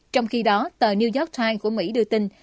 trong khi đó tờ new york times của mỹ đưa tin